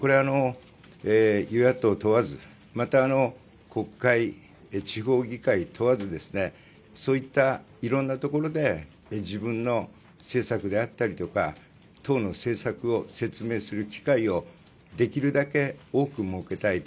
これは、与野党問わずまた、国会・地方議会問わずそういったいろんなところで自分の政策であったりとか党の政策を説明する機会をできるだけ多く設けたい。